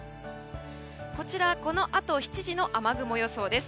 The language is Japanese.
こちら、このあと７時の雨雲予想です。